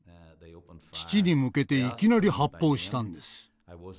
父に向けていきなり発砲したんです。